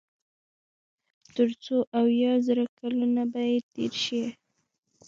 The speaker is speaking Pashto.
تر څو اويا زره کلونه به ئې تېر شي